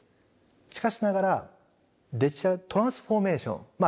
しかしながらデジタルトランスフォーメーションまあ